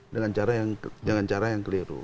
dengan cara yang keliru